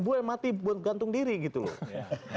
gue mati buat gantung diri gitu loh